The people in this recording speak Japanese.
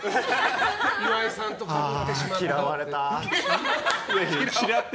岩井さんと被ってしまったって。